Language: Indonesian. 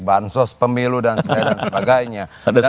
bansos pemilu dan sebagainya